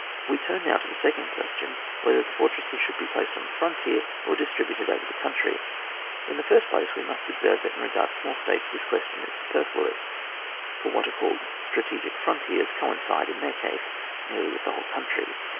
We turn now to the second question — Whether the fortresses should be placed on the frontier, or distributed over the country? In the first place, we must observe, that, as regards small states, this question is superfluous, for what are called shxitfgic frontiers coincide, in their case, nearly with the whole country.